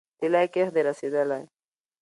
طلايي کښت دې رسیدلی